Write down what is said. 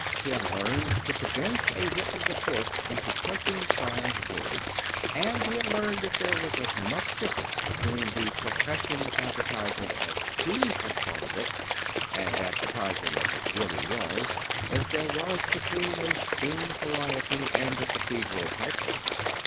He had learned to condense a written report into twenty five words. And he had learned that there was as much difference between the profession of advertising as he had thought of it and advertising as it really was, as there is between a steam calliope and a cathedral pipe organ.